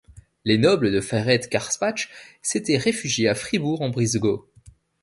Les nobles de Ferrette-Carspach s'étaient réfugiés à Fribourg-en-Brisgau.